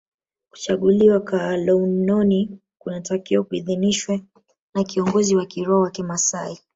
Kuchaguliwa kwa alaunoni kunatakiwa kuidhinishwe na kiongozi wa kiroho wa kimaasai